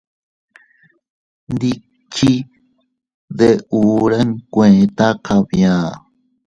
Ndikchi deʼe hura nkueta kabia.